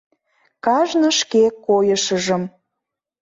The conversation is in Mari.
Кажне шке койышыжым